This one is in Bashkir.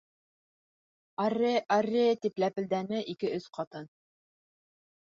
— Арре, арре, — тип ләпелдәне ике-өс ҡатын.